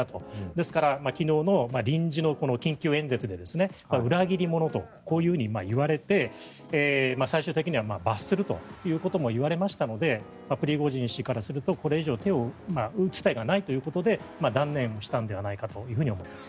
ですから昨日の臨時の緊急演説で裏切り者とこういうふうに言われて最終的には罰するということも言われましたのでプリゴジン氏からするとこれ以上打つ手がないということで断念したのではないかと思います。